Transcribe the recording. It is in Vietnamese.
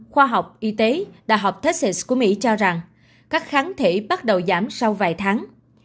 khoa học y tế đại học testis của mỹ cho rằng các kháng thể bắt đầu giảm sau vài tháng